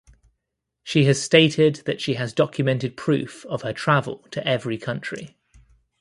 She has stated that she has documented proof of her travel to every country.